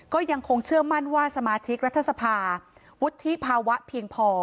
ก็ยังคงเชื่อมั่นว่าสมาชิกรัฐสภาวุฒิภาวะเพียงพอ